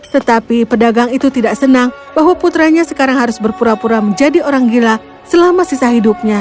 tetapi pedagang itu tidak senang bahwa putranya sekarang harus berpura pura menjadi orang gila selama sisa hidupnya